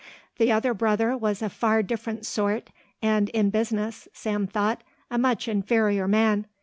The other brother was a far different sort, and, in business, Sam thought, a much inferior man.